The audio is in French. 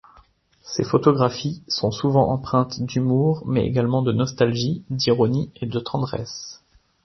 Ses photographies sont souvent empreintes d'humour mais également de nostalgie, d'ironie et de tendresse.